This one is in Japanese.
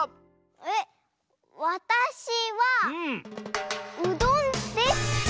えっわたしはうどんです！